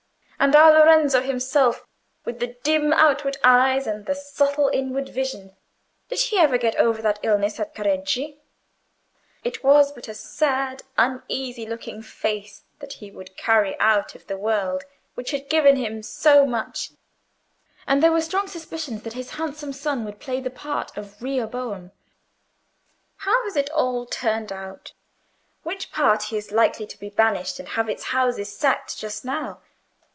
And our Lorenzo himself, with the dim outward eyes and the subtle inward vision, did he get over that illness at Careggi? It was but a sad, uneasy looking face that he would carry out of the world which had given him so much, and there were strong suspicions that his handsome son would play the part of Rehoboam. How has it all turned out? Which party is likely to be banished and have its houses sacked just now?